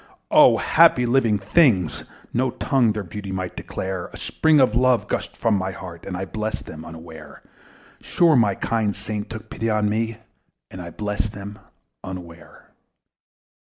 O happy living things! no tongue Their beauty might declare: A spring of love gushed from my heart, And I blessed them unaware: Sure my kind saint took pity on me, And I blessed them unaware.